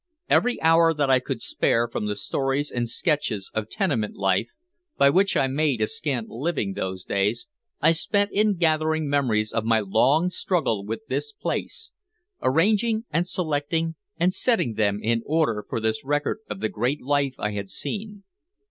Every hour that I could spare from the stories and sketches of tenement life by which I made a scant living those days, I spent in gathering memories of my long struggle with this place, arranging and selecting and setting them in order for this record of the great life I had seen.